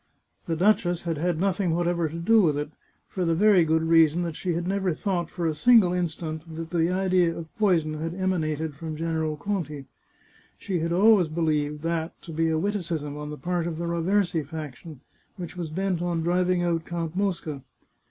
The duchess had had nothing whatever to do with it, for the very good 488 The Chartreuse of Parma reason that she had never thought, for a single instant, that the idea of poison had emanated from General Conti. She had always believed that to be a witticism on the part of the Raversi faction, which was bent on driving out Count Mosca.